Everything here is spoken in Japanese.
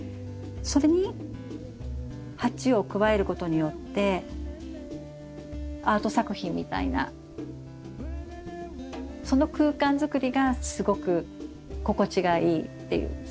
それに鉢を加えることによってアート作品みたいなその空間づくりがすごく心地がいいっていう。